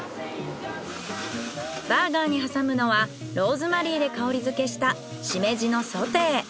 バーガーに挟むのはローズマリーで香りづけしたシメジのソテー。